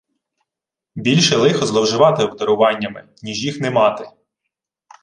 Більше лихо зловживати обдаруваннями, ніж їх не мати.